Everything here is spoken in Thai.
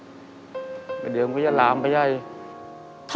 อเรนนี่ต้องมีวัคซีนตัวหนึ่งเพื่อที่จะช่วยดูแลพวกม้ามและก็ระบบในร่างกาย